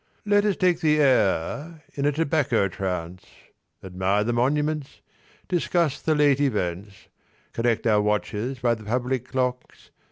Let us take the air, in a tobacco trance, Admire the monuments Discuss the late events, Correct our watches by the public clocks.